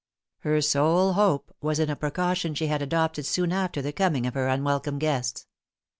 Her sole hope was in a precaution she had adopted soon after the coming of her unwelcome guests.